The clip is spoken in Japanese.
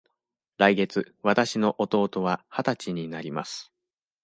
来月わたしの弟は二十歳になります。